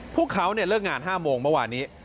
พวกเขาเลิกงาน๕โมงเมื่อวานนี้